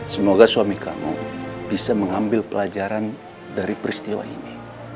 semoga suami kamu bisa mengambil pelajaran dari peristiwa ini